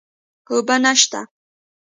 اوبه نشته